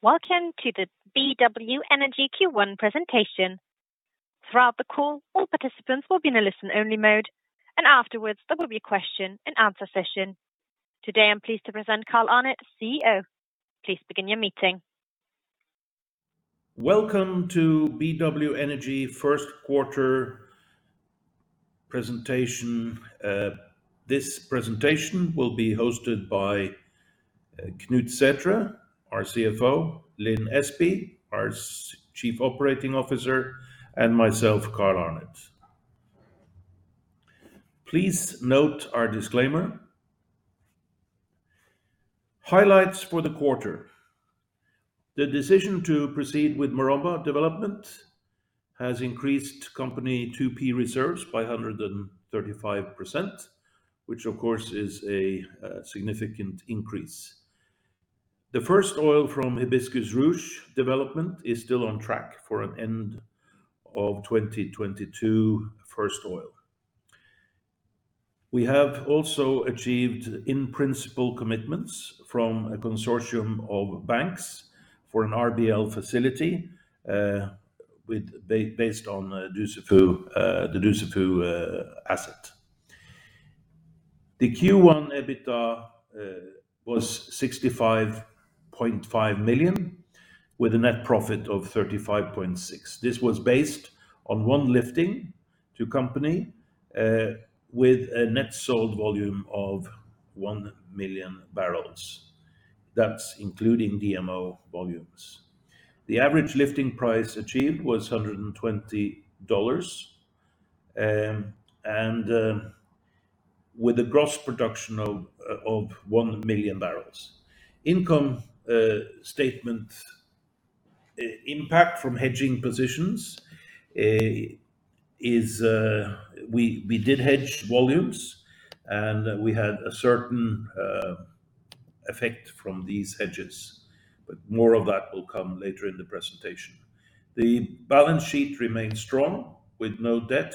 Welcome to the BW Energy Q1 presentation. Throughout the call, all participants will be in a listen-only mode, and afterwards there will be a question and answer session. Today, I'm pleased to present Carl Arnet, CEO. Please begin your meeting. Welcome to BW Energy first quarter presentation. This presentation will be hosted by Knut Sæthre, our CFO, Lin Espey, our Chief Operating Officer, and myself, Carl Arnet. Please note our disclaimer. Highlights for the quarter. The decision to proceed with Maromba development has increased company 2P reserves by 135%, which of course is a significant increase. The first oil from Hibiscus Ruche development is still on track for an end of 2022 first oil. We have also achieved in-principle commitments from a consortium of banks for an RBL facility based on the Dussafu asset. The Q1 EBITDA was $65.5 million, with a net profit of $35.6 million. This was based on one lifting to company with a net sold volume of 1 million barrels. That's including DMO volumes. The average lifting price achieved was $120, and with a gross production of 1 million barrels. Income statement impact from hedging positions is we did hedge volumes, and we had a certain effect from these hedges, but more of that will come later in the presentation. The balance sheet remained strong with no debt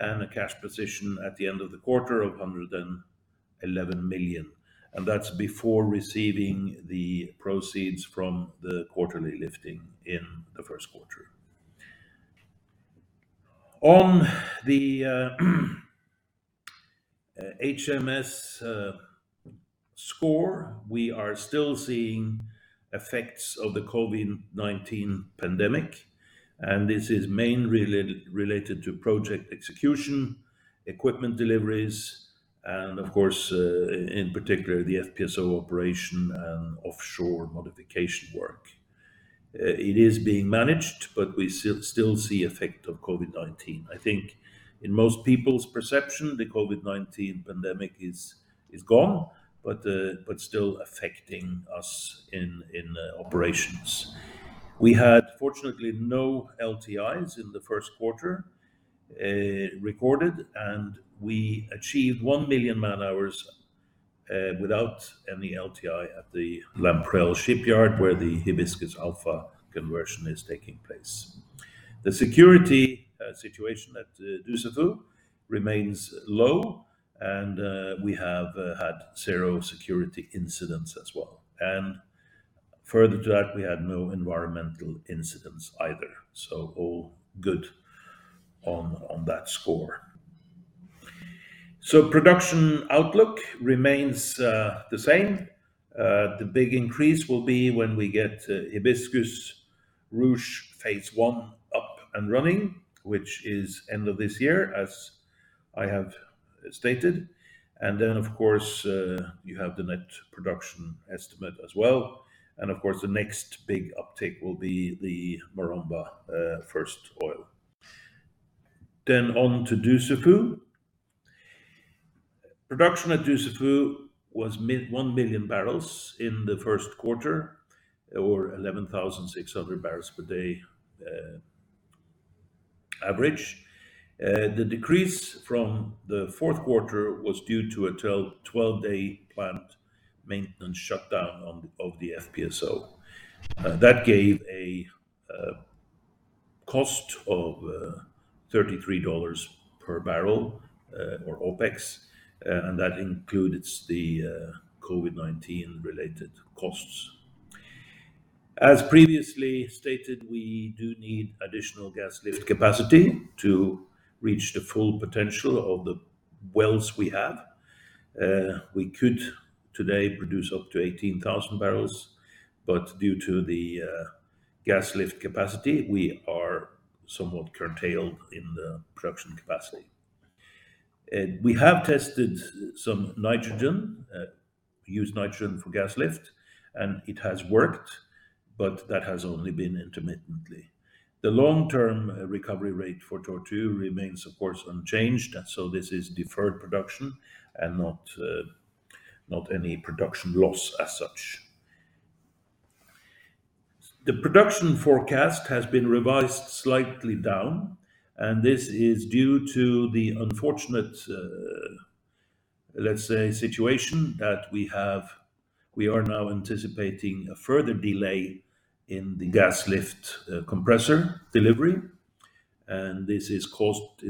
and a cash position at the end of the quarter of $111 million, and that's before receiving the proceeds from the quarterly lifting in the first quarter. On the HSE score, we are still seeing effects of the COVID-19 pandemic, and this is mainly related to project execution, equipment deliveries, and of course, in particular, the FPSO operation and offshore modification work. It is being managed, but we still see effect of COVID-19. I think in most people's perception, the COVID-19 pandemic is gone, but still affecting us in operations. We had fortunately no LTIs in the first quarter recorded, and we achieved 1 million man-hours without any LTI at the Lamprell shipyard where the Hibiscus Alpha conversion is taking place. The security situation at Dussafu remains low, and we have had zero security incidents as well and further to that, we had no environmental incidents either. All good on that score. Production outlook remains the same. The big increase will be when we get Hibiscus Ruche phase one up and running, which is end of this year as I have stated and then, of course, you have the net production estimate as well, and of course the next big uptick will be the Maromba first oil. Production at Dussafu was 1 million barrels in the first quarter or 11,600 barrels per day average. The decrease from the fourth quarter was due to a 12-day plant maintenance shutdown on the FPSO. That gave a cost of $33 per barrel or OPEX, and that includes the COVID-19 related costs. As previously stated, we do need additional gas lift capacity to reach the full potential of the wells we have. We could today produce up to 18,000 barrels, but due to the gas lift capacity, we are somewhat curtailed in the production capacity. We have tested some nitrogen. We use nitrogen for gas lift, and it has worked, but that has only been intermittently. The long-term recovery rate for Tortue remains of course unchanged, and so this is deferred production and not any production loss as such. The production forecast has been revised slightly down, and this is due to the unfortunate, let's say situation that we have. We are now anticipating a further delay in the gas lift compressor delivery. This is caused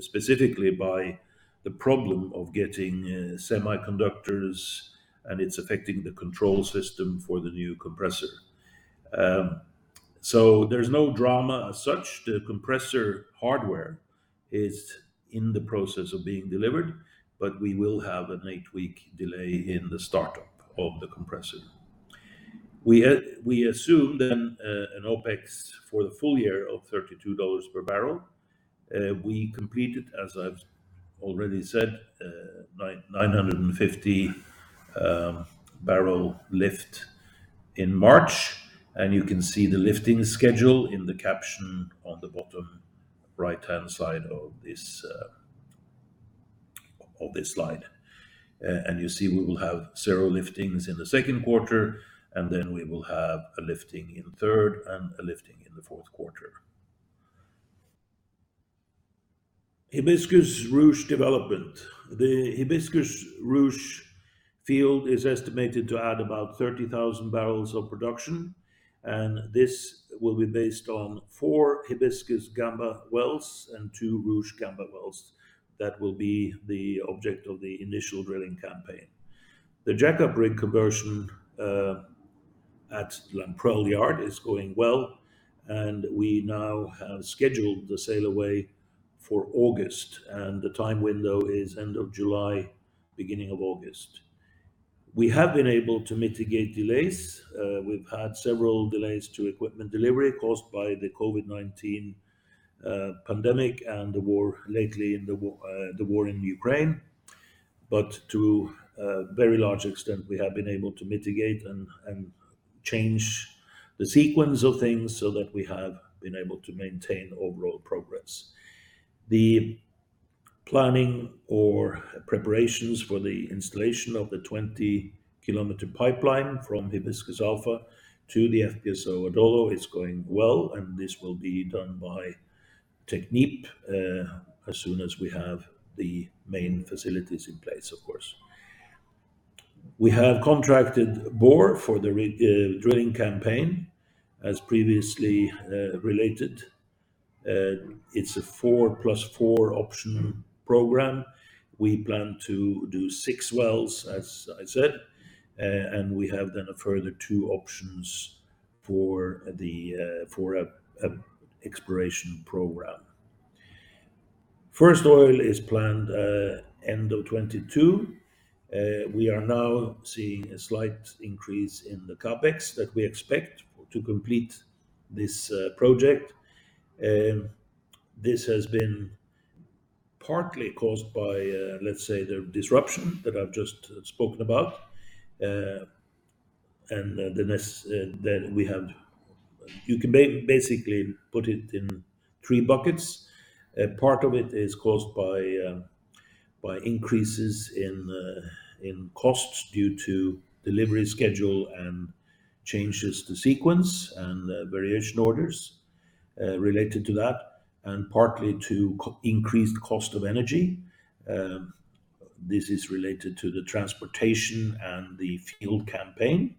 specifically by the problem of getting semiconductors, and it's affecting the control system for the new compressor. There's no drama as such. The compressor hardware is in the process of being delivered, but we will have an eight-week delay in the startup of the compressor. We assume then an OPEX for the full year of $32 per barrel. We completed, as I've already said, 950-barrel lift in March, and you can see the lifting schedule in the caption on the bottom right-hand side of this slide. You see we will have 0 liftings in the second quarter, and then we will have a lifting in third and a lifting in the fourth quarter. Hibiscus-Ruche development. The Hibiscus-Ruche field is estimated to add about 30,000 barrels of production, and this will be based on four Hibiscus Gamba wells and two Ruche Gamba wells. That will be the object of the initial drilling campaign. The jackup rig conversion at Lamprell Yard is going well, and we now have scheduled the sail away for August, and the time window is end of July, beginning of August. We have been able to mitigate delays. We've had several delays to equipment delivery caused by the COVID-19 pandemic and the war lately in Ukraine. To a very large extent, we have been able to mitigate and change the sequence of things so that we have been able to maintain overall progress. The planning or preparations for the installation of the 20-kilometer pipeline from Hibiscus Alpha to the FPSO Adolo is going well, and this will be done by TechnipFMC as soon as we have the main facilities in place, of course. We have contracted Borr for the drilling campaign, as previously related. It's a four+four option program. We plan to do six wells, as I said, and we have then a further two options for a exploration program. First oil is planned end of 2022. We are now seeing a slight increase in the CapEx that we expect to complete this project. This has been partly caused by, let's say, the disruption that I've just spoken about. Then we have. You can basically put it in three buckets. A part of it is caused by increases in costs due to delivery schedule and changes to sequence and variation orders related to that and partly to increased cost of energy. This is related to the transportation and the field campaign,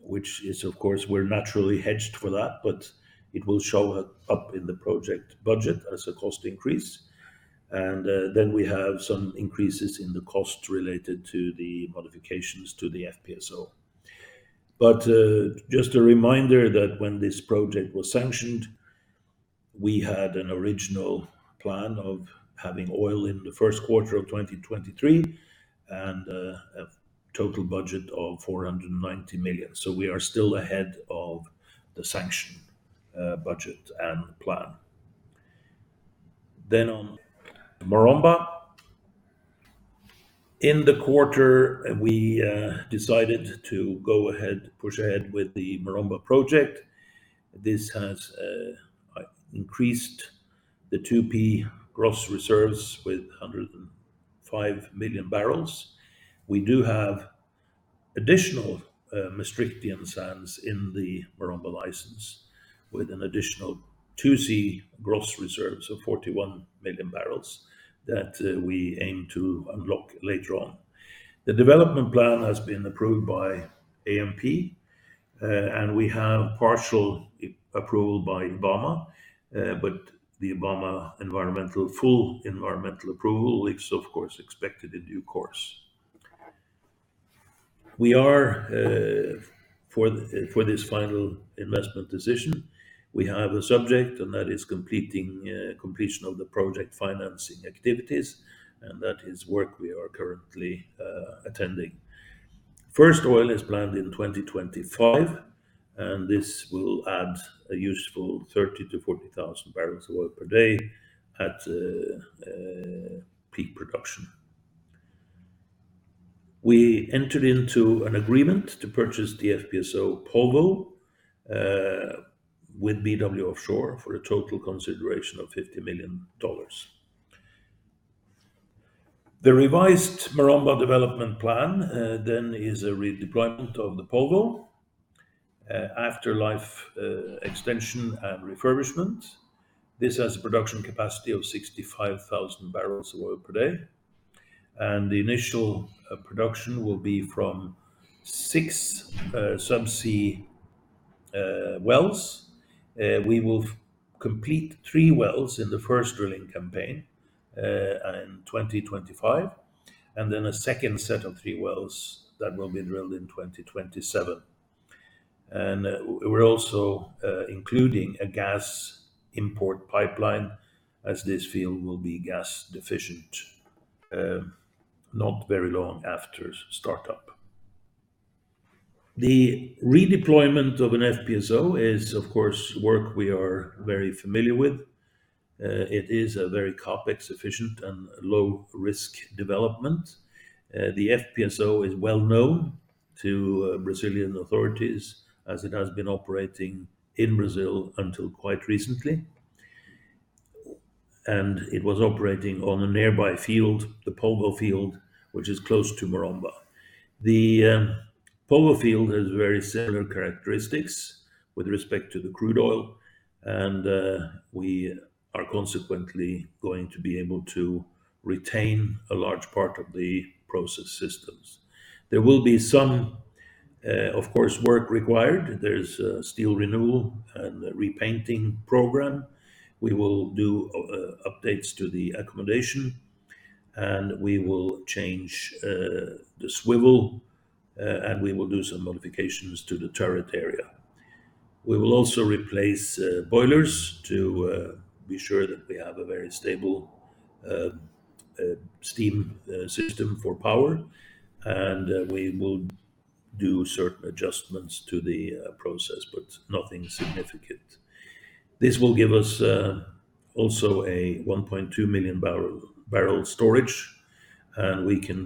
which is, of course, we're naturally hedged for that, but it will show up in the project budget as a cost increase. We have some increases in the costs related to the modifications to the FPSO. Just a reminder that when this project was sanctioned, we had an original plan of having oil in the first quarter of 2023 and a total budget of $490 million. We are still ahead of the sanction budget and plan. On Maromba, in the quarter, we decided to go ahead, push ahead with the Maromba project. This has increased the 2P gross reserves with 105 million barrels. We do have additional Maastrichtian sands in the Maromba license with an additional 2C gross reserves of 41 million barrels that we aim to unlock later on. The development plan has been approved by ANP, and we have partial approval by IBAMA. The IBAMA environmental full environmental approval is, of course, expected in due course. For this final investment decision, we have a subject, and that is completion of the project financing activities, and that is work we are currently attending. First oil is planned in 2025, and this will add a useful 30,000-40,000 barrels of oil per day at peak production. We entered into an agreement to purchase the FPSO Polvo with BW Offshore for a total consideration of $50 million. The revised Maromba development plan then is a redeployment of the Polvo after life extension and refurbishment. This has a production capacity of 65,000 barrels of oil per day. The initial production will be from six sub-sea wells. We will complete three wells in the first drilling campaign in 2025, and then a second set of three wells that will be drilled in 2027. We're also including a gas import pipeline as this field will be gas deficient, not very long after startup. The redeployment of an FPSO is, of course, work we are very familiar with. It is a very CapEx efficient and low risk development. The FPSO is well known to Brazilian authorities as it has been operating in Brazil until quite recently, and it was operating on a nearby field, the Polvo field, which is close to Maromba. The Polvo field has very similar characteristics with respect to the crude oil and we are consequently going to be able to retain a large part of the process systems. There will be some of course work required. There's a steel renewal and repainting program. We will do updates to the accommodation and we will change the swivel and we will do some modifications to the turret area. We will also replace boilers to be sure that we have a very stable steam system for power and we will do certain adjustments to the process, but nothing significant. This will give us also a 1.2 million barrel storage and we can,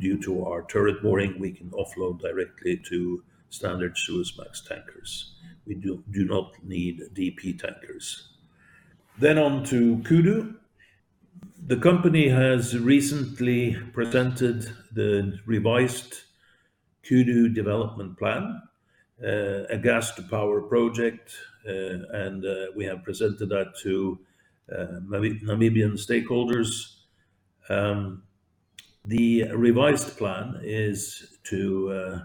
due to our turret mooring, offload directly to standard Suezmax tankers. We do not need DP tankers. On to Kudu. The company has recently presented the revised Kudu development plan, a gas to power project, and we have presented that to Namibian stakeholders. The revised plan is to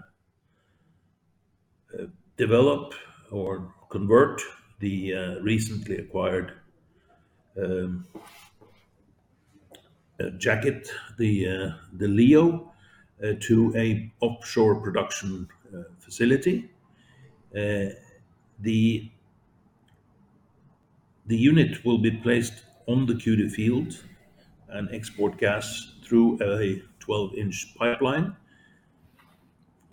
develop or convert the recently acquired jacket, the Leo, to an offshore production facility. The unit will be placed on the Kudu field and export gas through a 12-inch pipeline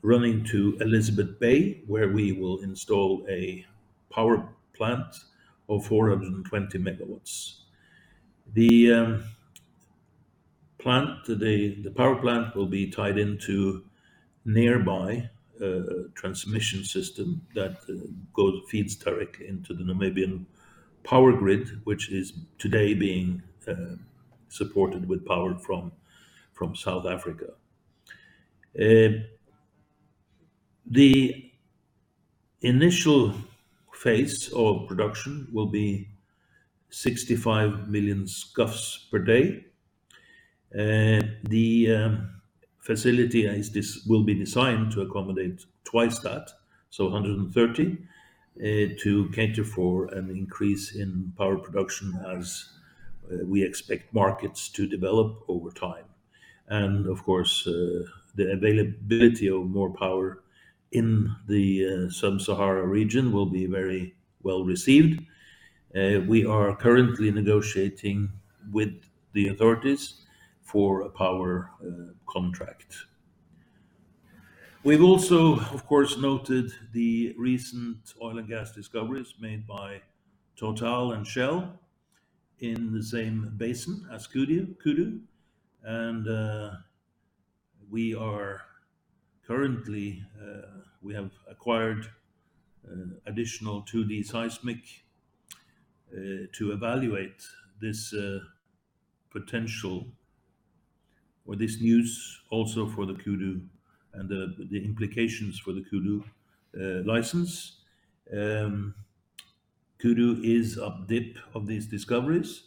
running to Elizabeth Bay, where we will install a power plant of 420 megawatts. The power plant will be tied into nearby transmission system that feeds directly into the Namibian power grid which is today being supported with power from South Africa. The initial phase of production will be 65 million scf per day. The facility will be designed to accommodate twice that, so 130 to cater for an increase in power production as we expect markets to develop over time. Of course, the availability of more power in the sub-Saharan region will be very well received. We are currently negotiating with the authorities for a power contract. We've also, of course, noted the recent oil and gas discoveries made by TotalEnergies and Shell in the same basin as Kudu and we have acquired additional 2D seismic to evaluate this potential or this news also for the Kudu and the implications for the Kudu license. Kudu is up-dip of these discoveries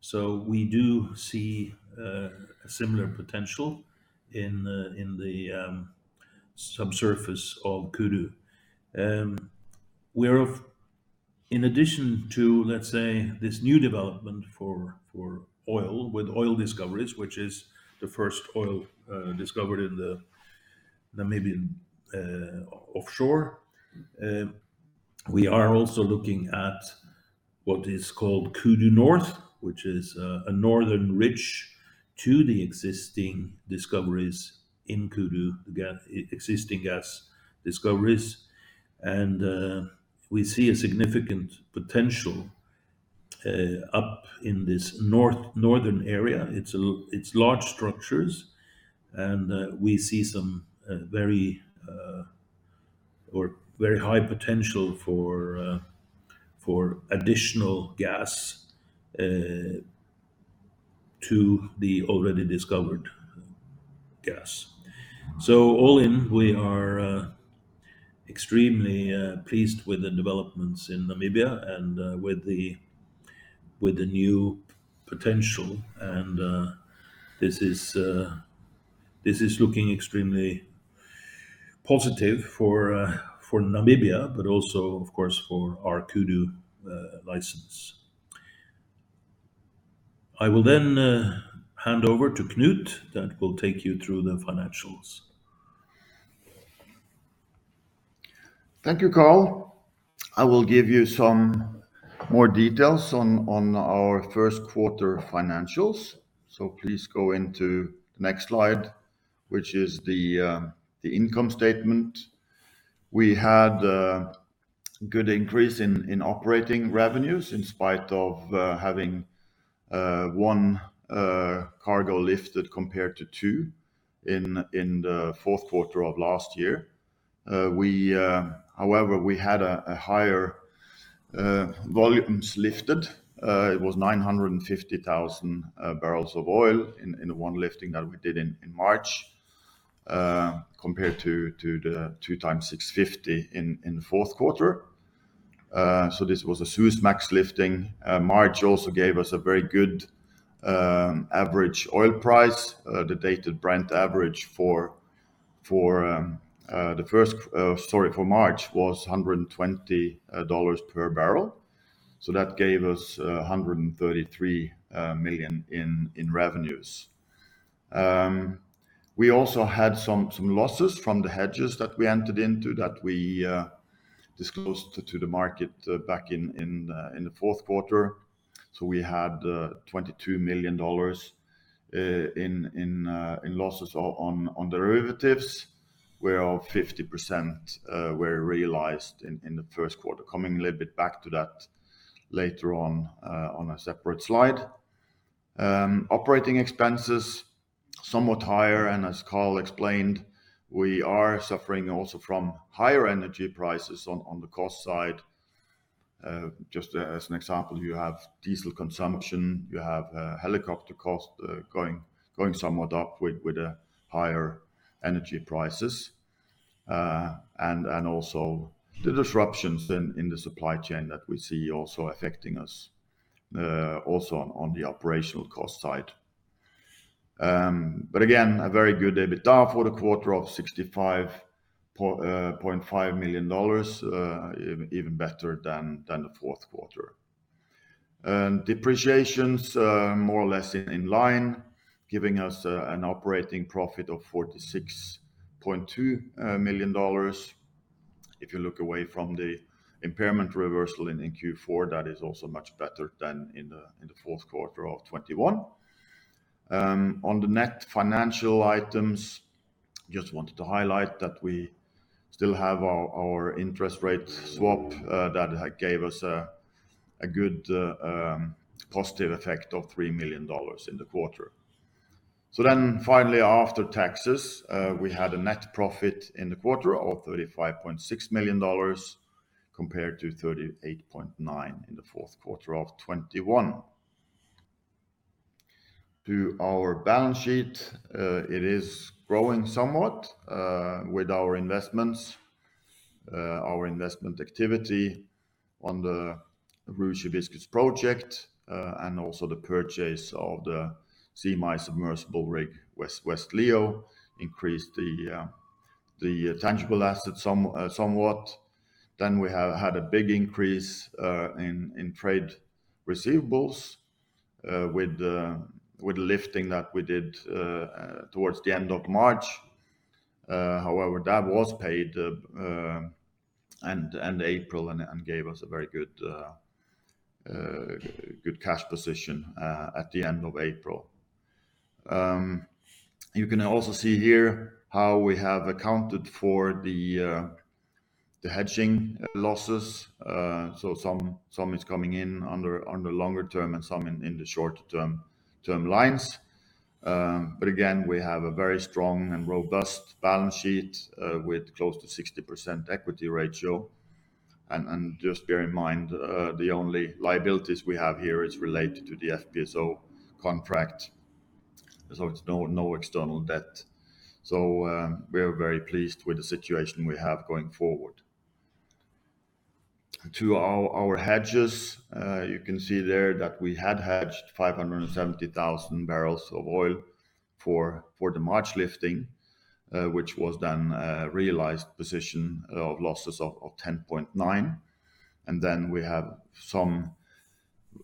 so we do see a similar potential in the subsurface of Kudu. We're of. In addition to, let's say, this new development for oil with oil discoveries which is the first oil discovered in the Namibian offshore, we are also looking at what is called Kudu North which is a northern ridge to the existing discoveries in Kudu, the existing gas discoveries and we see a significant potential up in this northern area. It's large structures and we see some very high potential for additional gas to the already discovered gas. All in, we are extremely pleased with the developments in Namibia and with the new potential. This is looking extremely positive for Namibia but also, of course, for our Kudu license. I will hand over to Knut that will take you through the financials. Thank you, Carl. I will give you some more details on our first quarter financials. Please go into the next slide, which is the income statement. We had a good increase in operating revenues in spite of having one cargo lifted compared to two in the fourth quarter of last year. However, we had a higher volumes lifted. It was 950,000 barrels of oil in the one lifting that we did in March compared to the two times 650 in the fourth quarter. So this was a Suezmax lifting. March also gave us a very good average oil price. The dated Brent average for March was $120 per barrel. That gave us $133 million in revenues. We also had some losses from the hedges that we entered into that we disclosed to the market back in the fourth quarter. We had $22 million in losses on derivatives, of which 50% were realized in the first quarter. Coming a little bit back to that later on a separate slide. Operating expenses, somewhat higher, and as Carl explained, we are suffering also from higher energy prices on the cost side. Just as an example, you have diesel consumption, you have helicopter cost going somewhat up with the higher energy prices. Also the disruptions in the supply chain that we see also affecting us on the operational cost side. Again, a very good EBITDA for the quarter of $65.5 million, even better than the fourth quarter. Depreciation more or less in line, giving us an operating profit of $46.2 million. If you look away from the impairment reversal in Q4 that is also much better than in the fourth quarter of 2021. On the net financial items, just wanted to highlight that we still have our interest rate swap that gave us a good positive effect of $3 million in the quarter. Finally, after taxes, we had a net profit in the quarter of $35.6 million compared to $38.9 million in the fourth quarter of 2021. To our balance sheet, it is growing somewhat with our investments. Our investment activity on the Ruche Hibiscus project and also the purchase of the semi-submersible rig, West Leo increased the tangible assets somewhat. We have had a big increase in trade receivables with the lifting that we did towards the end of March. However, that was paid end April and gave us a very good cash position at the end of April. You can also see here how we have accounted for the hedging losses. Some is coming in under longer term and some in the shorter term lines. Again, we have a very strong and robust balance sheet with close to 60% equity ratio. Just bear in mind the only liabilities we have here is related to the FPSO contract. It's no external debt. We are very pleased with the situation we have going forward. To our hedges, you can see there that we had hedged 570,000 barrels of oil for the March lifting, which was then a realized position of losses of $10.9 million. Then we have some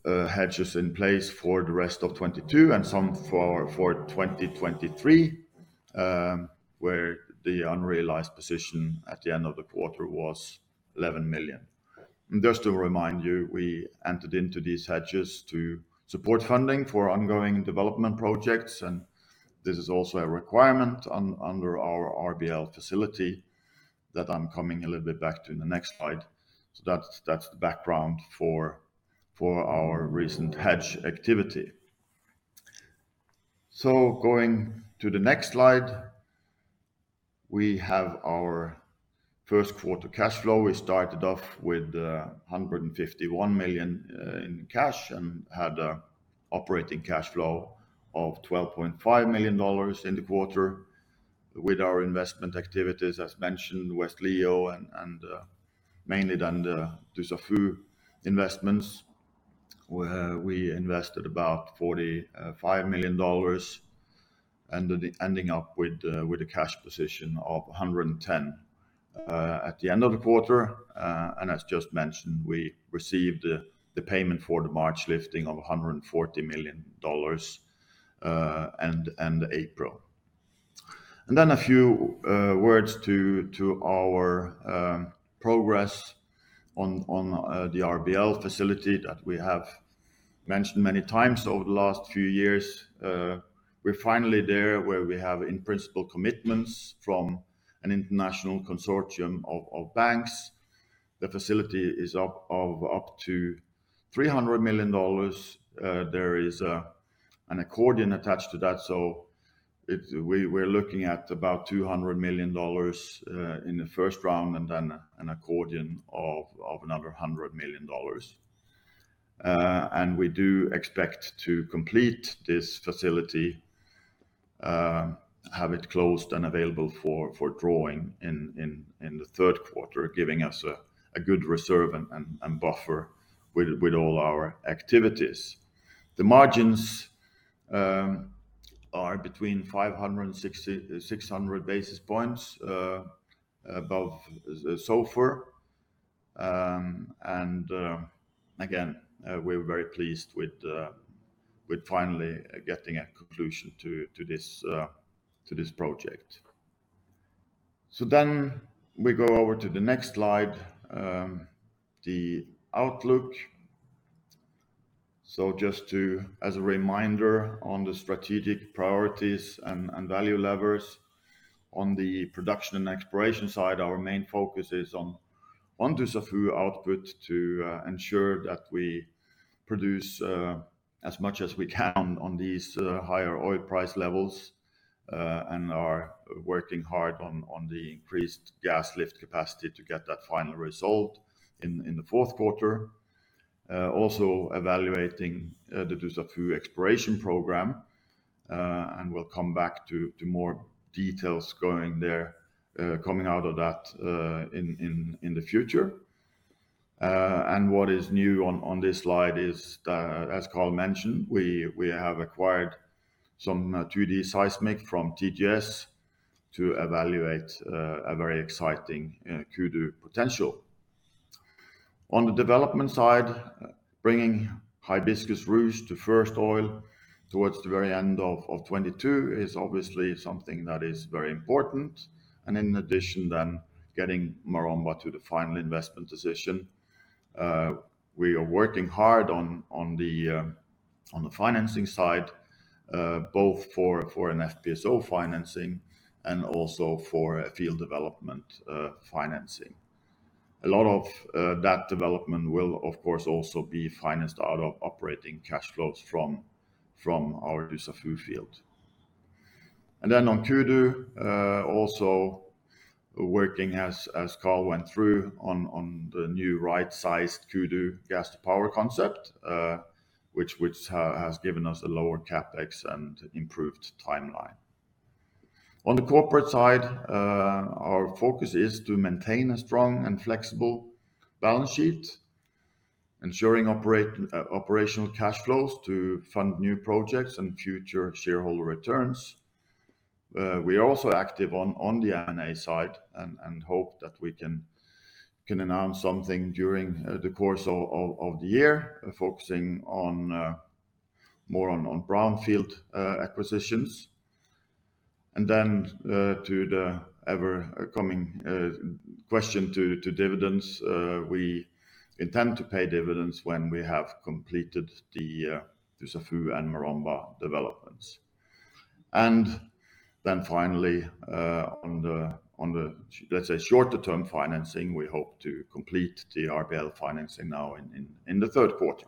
hedges in place for the rest of 2022 and some for 2023, where the unrealized position at the end of the quarter was $11 million. Just to remind you, we entered into these hedges to support funding for ongoing development projects, and this is also a requirement under our RBL facility that I'm coming a little bit back to in the next slide. That's the background for our recent hedge activity. Going to the next slide, we have our first quarter cash flow. We started off with $151 million in cash and had operating cash flow of $12.5 million in the quarter with our investment activities, as mentioned, West Leo and mainly then the Dussafu investments, where we invested about $45 million, ending up with a cash position of $110 million at the end of the quarter. As just mentioned, we received the payment for the March lifting of $140 million and April. A few words to our progress on the RBL facility that we have mentioned many times over the last few years. We're finally there where we have in principle commitments from an international consortium of banks. The facility is up to $300 million. There is an accordion attached to that. We're looking at about $200 million in the first round and then an accordion of another $100 million. We do expect to complete this facility, have it closed and available for drawing in the third quarter, giving us a good reserve and buffer with all our activities. The margins are between 500 and 600 basis points above SOFR. We're very pleased with finally getting a conclusion to this project. We go over to the next slide, the outlook. Just to as a reminder on the strategic priorities and value levers. On the production and exploration side, our main focus is on Dussafu output to ensure that we produce as much as we can on these higher oil price levels, and are working hard on the increased gas lift capacity to get that final result in the fourth quarter. Also evaluating the Dussafu exploration program, and we'll come back to more details going there, coming out of that, in the future. What is new on this slide is that, as Carl mentioned, we have acquired some 2D seismic from TGS to evaluate a very exciting Kudu potential. On the development side, bringing Hibiscus Ruche to first oil towards the very end of 2022 is obviously something that is very important and in addition to getting Maromba to the final investment decision. We are working hard on the financing side, both for an FPSO financing and also for a field development financing. A lot of that development will of course also be financed out of operating cash flows from our Dussafu field. Then on Kudu, also working as Carl went through on the new right-sized Kudu gas to power concept, which has given us a lower CapEx and improved timeline. On the corporate side, our focus is to maintain a strong and flexible balance sheet, ensuring operational cash flows to fund new projects and future shareholder returns. We are also active on the M&A side and hope that we can announce something during the course of the year, focusing on more brownfield acquisitions. Then, to the evergreen question on dividends, we intend to pay dividends when we have completed the Dussafu and Maromba developments. Then finally, on the shorter-term financing, we hope to complete the RBL financing now in the third quarter.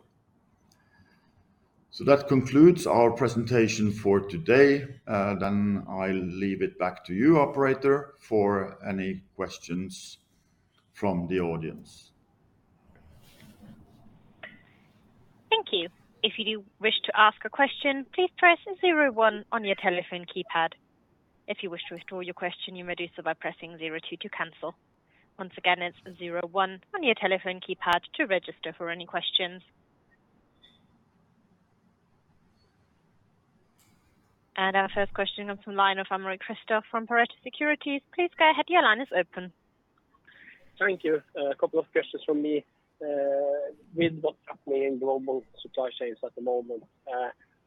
That concludes our presentation for today. I'll hand it back to you, operator, for any questions from the audience. Thank you. If you do wish to ask a question, please press zero-one on your telephone keypad. If you wish to withdraw your question, you may do so by pressing zero-two to cancel. Once again, it's zero-one on your telephone keypad to register for any questions. Our first question comes from line of Aymeric de-Chassey from Pareto Securities. Please go ahead. Your line is open. Thank you. A couple of questions from me. With what's happening in global supply chains at the moment,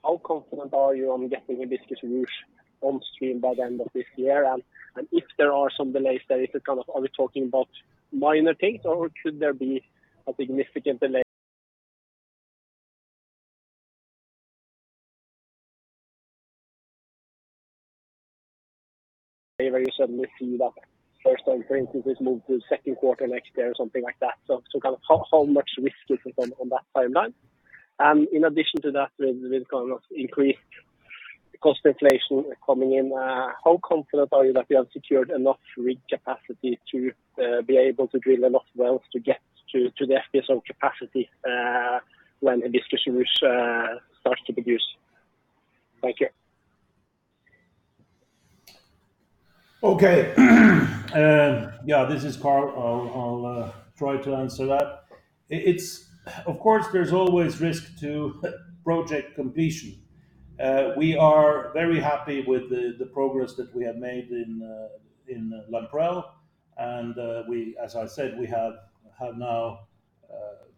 how confident are you on getting Hibiscus Ruche on stream by the end of this year? If there are some delays there, are we talking about minor things or could there be a significant delay where you suddenly see that first time, for instance, it's moved to second quarter next year or something like that. How much risk is on that timeline? In addition to that, with increased inflation coming in, how confident are you that we have secured enough rig capacity to be able to drill enough wells to get to the FPSO capacity when Hibiscus starts to produce? Thank you. This is Carl. I'll try to answer that. Of course, there's always risk to project completion. We are very happy with the progress that we have made in Lamprell. As I said, we have now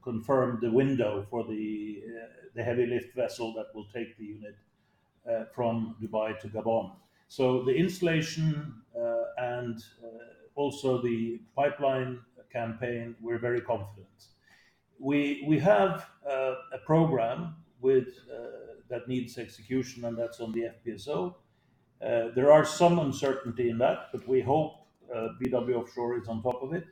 confirmed the window for the heavy lift vessel that will take the unit from Dubai to Gabon. The installation and also the pipeline campaign, we're very confident. We have a program with that needs execution, and that's on the FPSO. There are some uncertainty in that, but we hope BW Offshore is on top of it.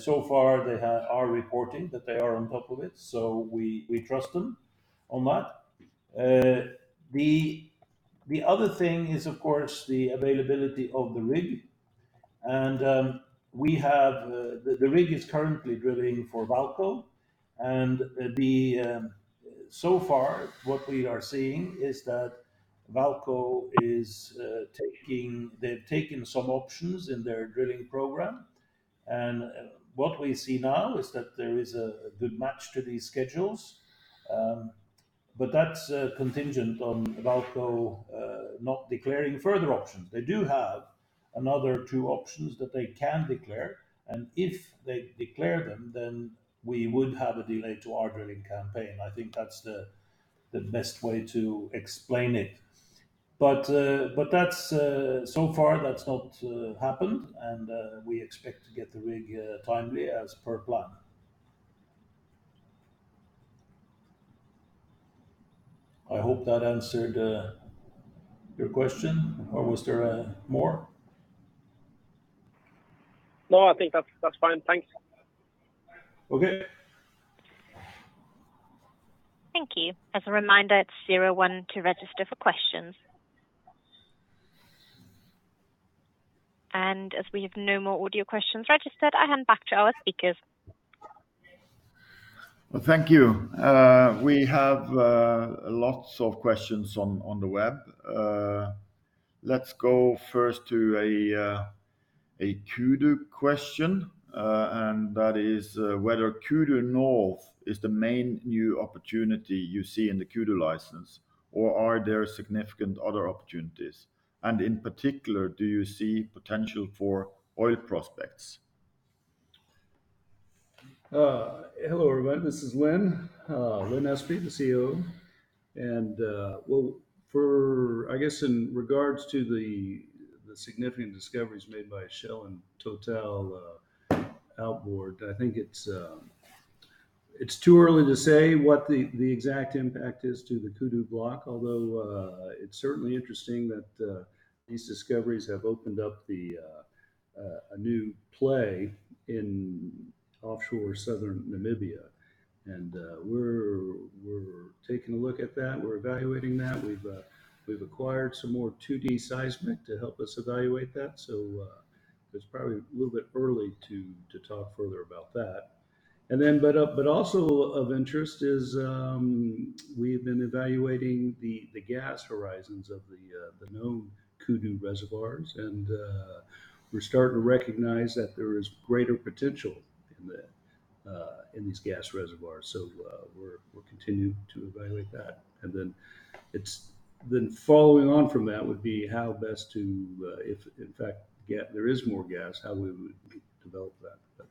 So far they are reporting that they are on top of it, so we trust them on that. The other thing is of course the availability of the rig and the rig is currently drilling for VAALCO and so far what we are seeing is that VAALCO is taking. They've taken some options in their drilling program. What we see now is that there is a good match to these schedules, but that's contingent on VAALCO not declaring further options. They do have another two options that they can declare, and if they declare them, then we would have a delay to our drilling campaign. I think that's the best way to explain it. So far that's not happened and we expect to get the rig timely as per plan. I hope that answered your question or was there more? No, I think that's fine. Thanks. Okay. Thank you. As a reminder, it's zero one to register for questions. As we have no more audio questions registered, I hand back to our speakers. Well, thank you. We have lots of questions on the web. Let's go first to a Kudu question. That is whether Kudu North is the main new opportunity you see in the Kudu license or are there significant other opportunities? In particular, do you see potential for oil prospects? Hello everyone, this is Lin Espey, the CCO. I guess in regards to the significant discoveries made by Shell and TotalEnergies offshore, I think it's too early to say what the exact impact is to the Kudu block. Although it's certainly interesting that these discoveries have opened up a new play in offshore southern Namibia and we're taking a look at that. We're evaluating that. We've acquired some more 2D seismic to help us evaluate that. It's probably a little bit early to talk further about that. Also of interest is, we have been evaluating the gas horizons of the known Kudu reservoirs and, we're starting to recognize that there is greater potential in these gas reservoirs. We'll continue to evaluate that. Following on from that would be how best to, if in fact there is more gas, how we would develop that.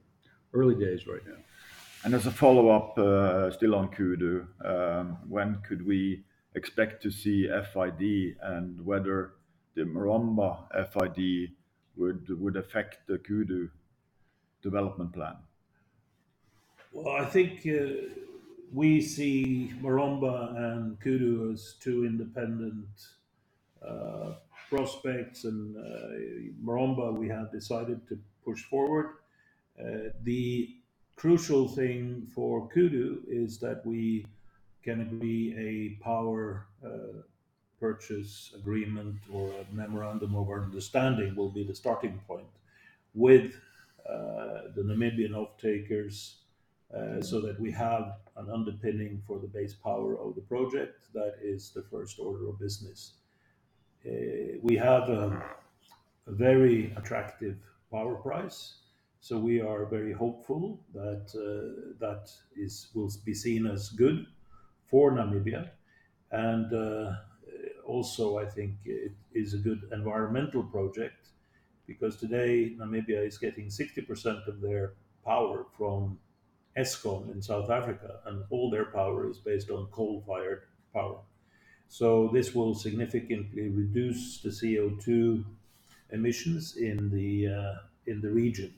Early days right now. As a follow-up, still on Kudu, when could we expect to see FID and whether the Maromba FID would affect the Kudu development plan? Well, I think we see Maromba and Kudu as two independent prospects and Maromba we have decided to push forward. The crucial thing for Kudu is that we can agree a power purchase agreement or a memorandum of understanding will be the starting point with the Namibian off-takers so that we have an underpinning for the base power of the project. That is the first order of business. We have a very attractive power price, so we are very hopeful that it will be seen as good for Namibia. Also I think it is a good environmental project because today Namibia is getting 60% of their power from Eskom in South Africa, and all their power is based on coal-fired power. This will significantly reduce the CO2 emissions in the region.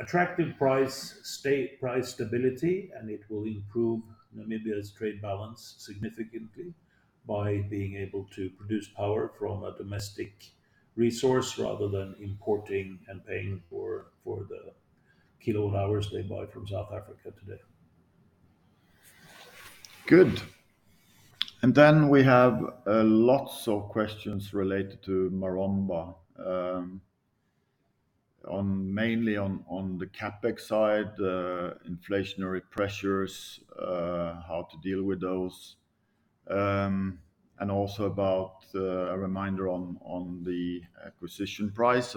Attractive price stability, and it will improve Namibia's trade balance significantly by being able to produce power from a domestic resource rather than importing and paying for the kilowatt hours they buy from South Africa today. Good. We have lots of questions related to Maromba, mainly on the CapEx side, inflationary pressures, how to deal with those. Also about a reminder on the acquisition price.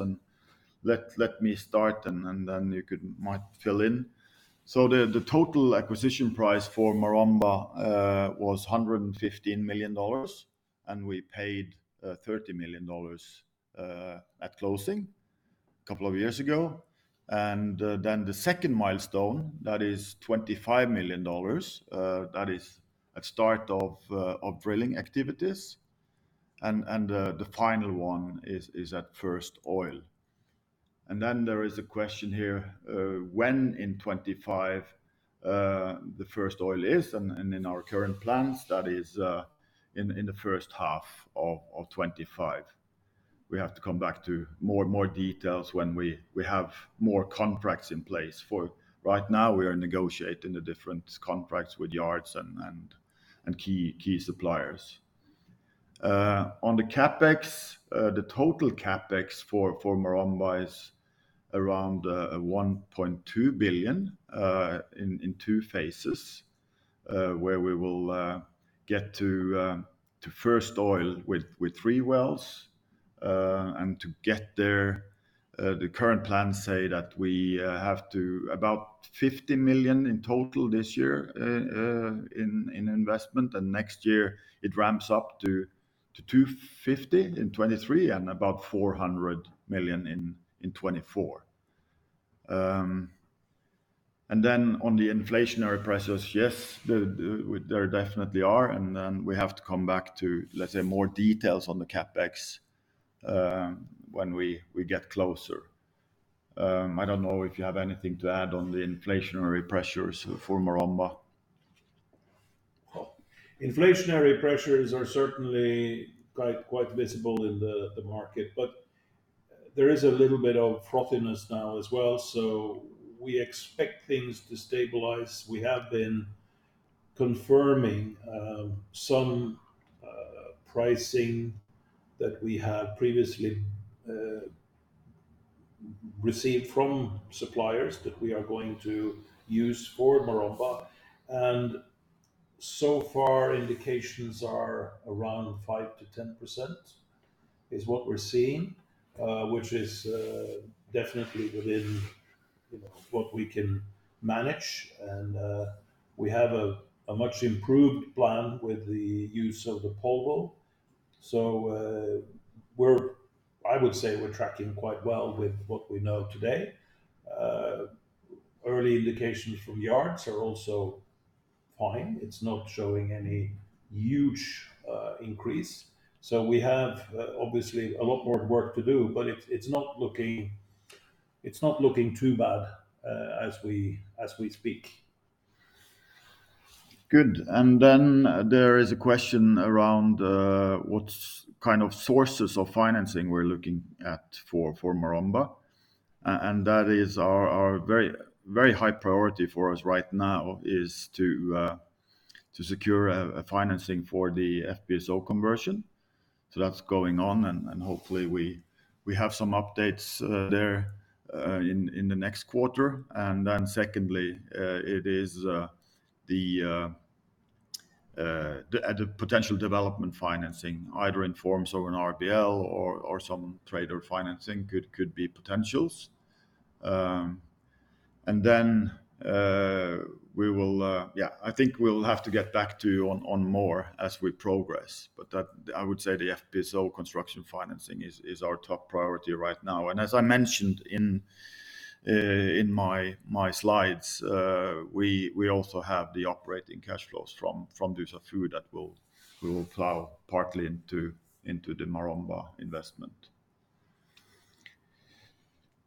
Let me start, and then you might fill in. The total acquisition price for Maromba was $115 million, and we paid $30 million at closing a couple of years ago. The second milestone, that is $25 million, that is at start of drilling activities. The final one is at first oil. There is a question here, when in 2025 the first oil is and in our current plans, that is in the first half of 2025. We have to come back to more and more details when we have more contracts in place. Right now we are negotiating the different contracts with yards and key suppliers. On the CapEx, the total CapEx for Maromba is around $1.2 billion in 2 phases, where we will get to first oil with 3 wells. To get there, the current plans say that we have to about $50 million in total this year, in investment. Next year it ramps up to $250 million in 2023 and about $400 million in 2024. On the inflationary prices, yes, there definitely are, and we have to come back to, let's say, more details on the CapEx when we get closer. I don't know if you have anything to add on the inflationary pressures for Maromba. Well, inflationary pressures are certainly quite visible in the market, but there is a little bit of frothiness now as well. We expect things to stabilize. We have been confirming some pricing that we have previously received from suppliers that we are going to use for Maromba. So far, indications are around 5%-10%, is what we're seeing, which is definitely within, you know, what we can manage. We have a much improved plan with the use of the Polvo. We're, I would say, tracking quite well with what we know today. Early indications from yards are also fine. It's not showing any huge increase. We have obviously a lot more work to do, but it's not looking too bad as we speak. Good. Then there is a question around what kind of sources of financing we're looking at for Maromba. That is our very high priority for us right now is to secure a financing for the FPSO conversion. So that's going on and hopefully we have some updates there in the next quarter. Then secondly, it is the potential development financing either in forms of an RBL or some trader financing could be potentials. Then we will, yeah, I think we'll have to get back to you on more as we progress, but that, I would say the FPSO construction financing is our top priority right now. As I mentioned in my slides, we also have the operating cash flows from Dussafu that will flow partly into the Maromba investment.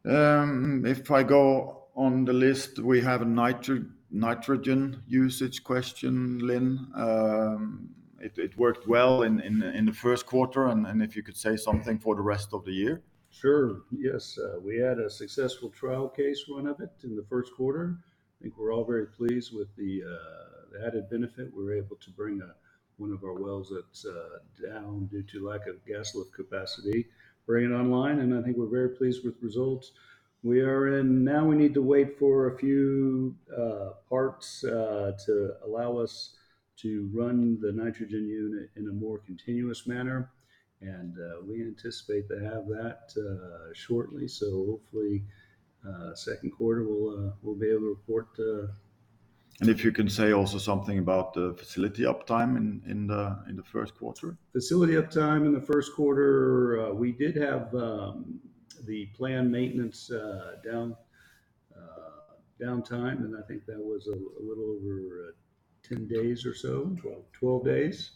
If I go on the list, we have a nitrogen usage question, Lin. It worked well in the first quarter, and if you could say something for the rest of the year. Sure. Yes. We had a successful trial gas run of it in the first quarter. I think we're all very pleased with the added benefit. We were able to bring one of our wells that's down due to lack of gas lift capacity online, and I think we're very pleased with the results. Now we need to wait for a few parts to allow us to run the nitrogen unit in a more continuous manner, and we anticipate to have that shortly. Hopefully, second quarter we'll be able to report. If you can say also something about the facility uptime in the first quarter. Facility uptime in the first quarter, we did have the planned maintenance downtime, and I think that was a little over 10 days or so. Twelve. 12 days.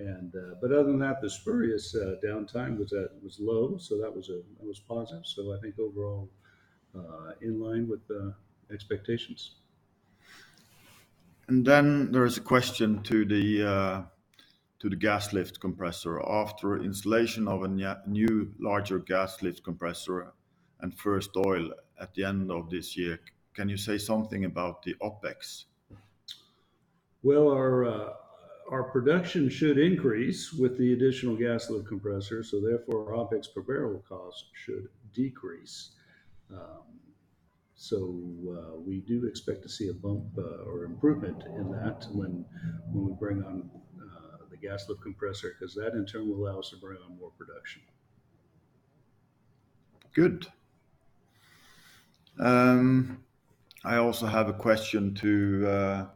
Other than that, the spurious downtime was low, so that was positive. I think overall, in line with the expectations. There is a question to the gas lift compressor. After installation of a new larger gas lift compressor and first oil at the end of this year, can you say something about the OPEX? Well, our production should increase with the additional gas lift compressor, so therefore our OpEx per barrel cost should decrease. We do expect to see a bump or improvement in that when we bring on the gas lift compressor, 'cause that in turn will allow us to bring on more production. Good. I also have a question to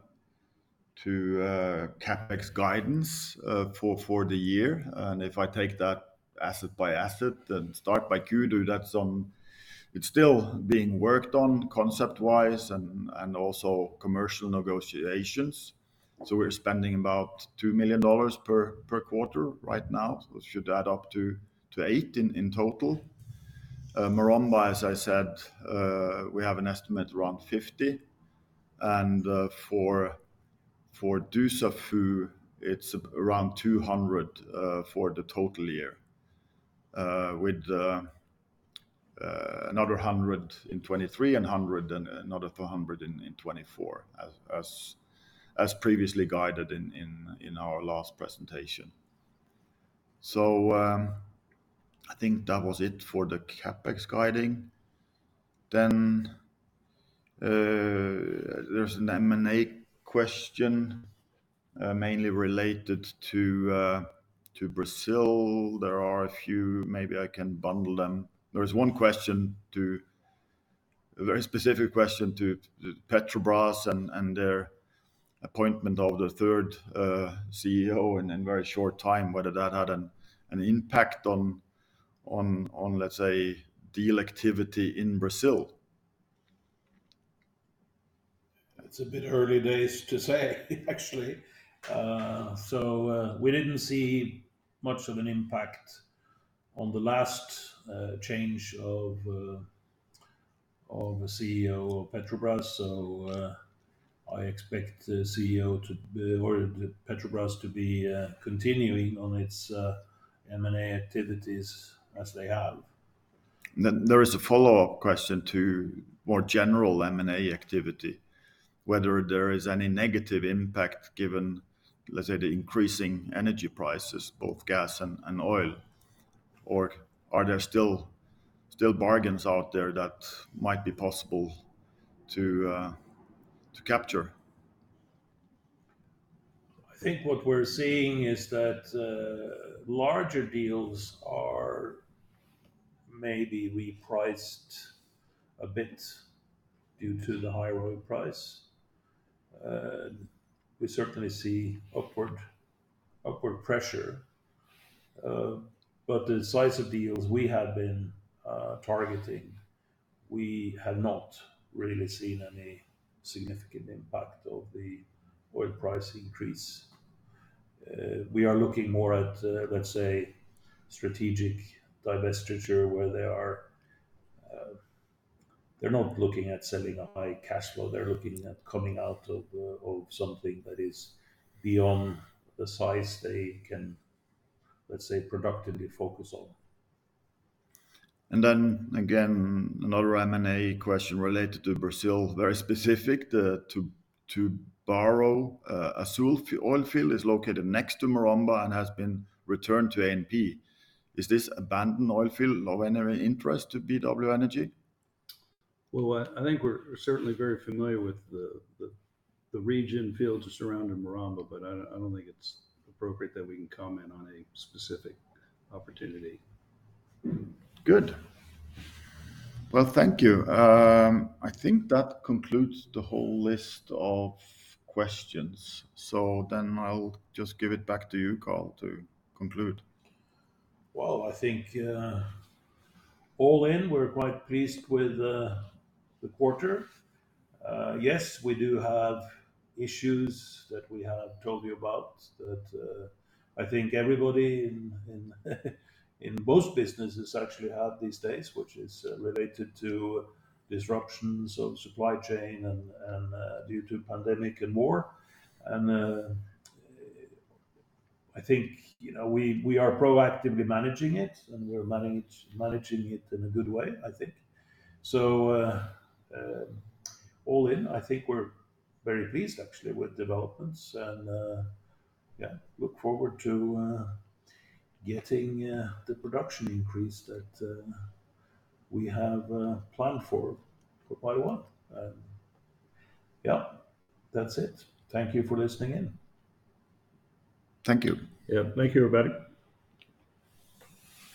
CapEx guidance for the year. If I take that asset by asset and start by Q, do that sum, it's still being worked on concept-wise and also commercial negotiations. We're spending about $2 million per quarter right now, so it should add up to $8 million in total. Maromba, as I said, we have an estimate around $50 million and for Dussafu it's around $200 million for the total year, with another $100 million in 2023 and another $100 million in 2024 as previously guided in our last presentation. I think that was it for the CapEx guiding. There's an M&A question mainly related to Brazil. There are a few, maybe I can bundle them. There is a very specific question to Petrobras and their appointment of the third CEO in a very short time, whether that had an impact on let's say deal activity in Brazil. It's a bit early days to say actually. We didn't see much of an impact on the last change of CEO of Petrobras. I expect the CEO or Petrobras to be continuing on its M&A activities as they have. There is a follow-up question to more general M&A activity, whether there is any negative impact given, let's say, the increasing energy prices, both gas and oil, or are there still bargains out there that might be possible to capture? I think what we're seeing is that larger deals are maybe repriced a bit due to the high oil price. We certainly see upward pressure. But the size of deals we have been targeting, we have not really seen any significant impact of the oil price increase. We are looking more at, let's say, strategic divestiture where they are. They're not looking at selling a high cash flow, they're looking at coming out of something that is beyond the size they can, let's say, productively focus on. Another M&A question related to Brazil, very specific to Barracuda. Azul oil field is located next to Maromba and has been returned to ANP. Is this abandoned oil field of any interest to BW Energy? Well, I think we're certainly very familiar with the regional fields surrounding Maromba, but I don't think it's appropriate that we can comment on a specific opportunity. Good. Well, thank you. I think that concludes the whole list of questions, so then I'll just give it back to you, Carl, to conclude. Well, I think, all in, we're quite pleased with the quarter. Yes, we do have issues that we have told you about that, I think everybody in most businesses actually have these days, which is related to disruptions of supply chain and due to pandemic and war. I think, you know, we are proactively managing it, and we're managing it in a good way, I think. All in, I think we're very pleased actually with developments and yeah, look forward to getting the production increase that we have planned for by what? Yeah. That's it. Thank you for listening in. Thank you. Yeah. Thank you, everybody.